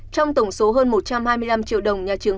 trong tổng số hơn một trăm hai mươi năm triệu đồng nhà trường